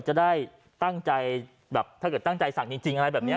จะได้ตั้งใจแบบถ้าเกิดตั้งใจสั่งจริงอะไรแบบนี้